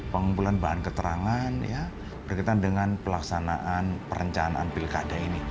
pengumpulan bahan keterangan berkaitan dengan pelaksanaan perencanaan pilkada ini